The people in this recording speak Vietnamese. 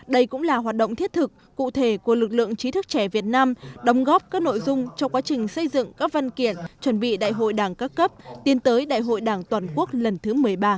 đây cũng là hoạt động thiết thực cụ thể của lực lượng trí thức trẻ việt nam đóng góp các nội dung trong quá trình xây dựng các văn kiện chuẩn bị đại hội đảng các cấp tiến tới đại hội đảng toàn quốc lần thứ một mươi ba